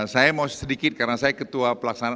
saya mau sedikit karena saya ketua pelaksana